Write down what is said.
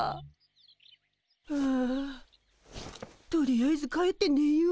あとりあえず帰ってねよう。